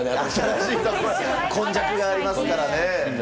今昔がありますからね。